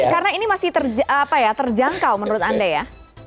karena ini masih terjangkau menurut anda ya